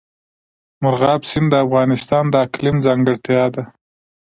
مورغاب سیند د افغانستان د اقلیم ځانګړتیا ده.